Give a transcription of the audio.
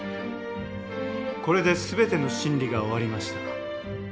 これで全ての審理が終わりました。